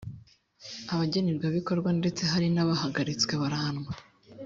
abagenerwabikorwa ndetse hari nabahagaritswe barahanwa.